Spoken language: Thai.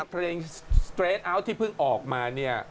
ไอ้เพลงสเทรท์ออตที่เพิ่งออกมาเนี่ย